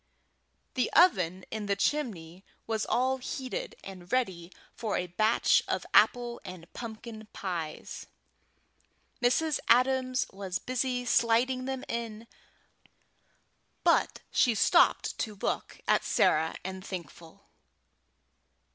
The oven in the chimney was all heated and ready for a batch of apple and pumpkin pies. Mrs. Adams was busy sliding them in, but she stopped to look at Sarah and Thankful.